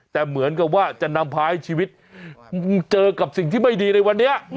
แต่เหมือนกับว่าจะนำพาให้ชีวิตเจอกับสิ่งที่ไม่ดีในวันนี้